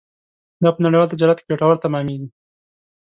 دا په نړیوال تجارت کې ګټور تمامېږي.